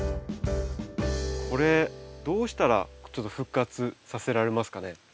これどうしたらちょっと復活させられますかね？